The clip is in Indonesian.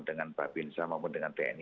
dengan pak binza maupun dengan tni